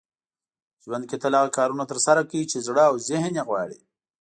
ژوند کې تل هغه کارونه ترسره کړئ چې زړه او ذهن يې غواړي .